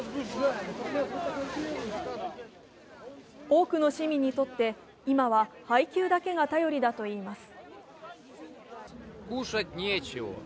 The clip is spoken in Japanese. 多くの市民にとって、今は配給だけが頼りだといいます。